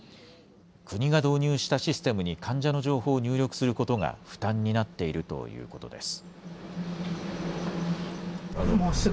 国が導入したシステムに患者の情報を入力することが負担になっているということです。